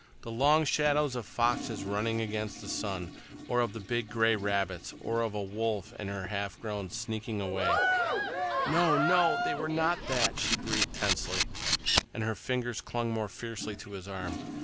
"The long shadows of foxes running against the sun, or of the big gray rabbits, or of a wolf and her half grown sneaking away—" "No, no, they were not that," she breathed tensely, and her fingers clung more fiercely to his arm.